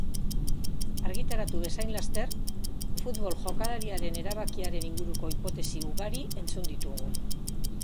Argitaratu bezain laster, futbol-jokalariaren erabakiaren inguruko hipotesi ugari entzun ditugu.